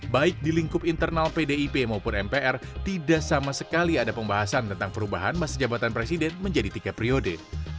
baik di lingkup internal pdip maupun mpr tidak sama sekali ada pembahasan tentang perubahan masa jabatan presiden menjadi tiga periode